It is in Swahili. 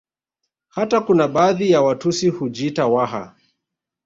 Hata kuna baadhi ya Watusi hujiita Waha